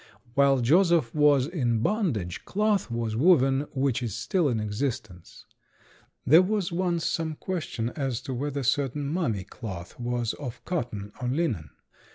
While Joseph was in bondage cloth was woven which is still in existence. There was once some question as to whether certain mummy cloth was of cotton or linen.